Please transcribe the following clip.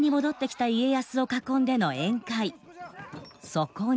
そこに。